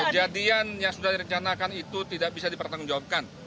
kejadian yang sudah direncanakan itu tidak bisa dipertanggungjawabkan